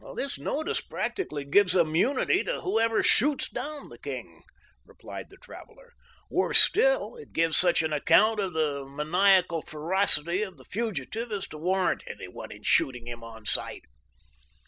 "This notice practically gives immunity to whoever shoots down the king," replied the traveler. "Worse still, it gives such an account of the maniacal ferocity of the fugitive as to warrant anyone in shooting him on sight."